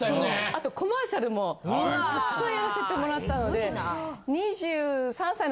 あとコマーシャルもたくさんやらせてもらったので。